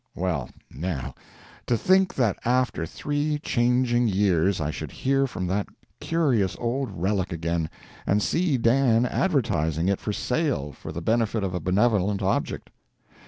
.............................. Well, now, to think that after three changing years I should hear from that curious old relic again, and see Dan advertising it for sale for the benefit of a benevolent object.